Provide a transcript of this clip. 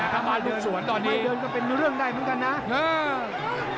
เพชรขำมาดลุกสวนตอนนี้ไม่เดินก็เป็นเรื่องใดเหมือนกันนะเออ